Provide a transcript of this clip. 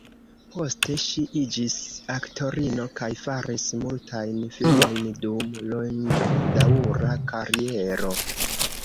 Poste ŝi iĝis aktorino kaj faris multajn filmojn dum longdaŭra kariero.